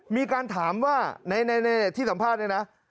มีการถามว่าในที่สัมภาษณ์เนี่ยนะ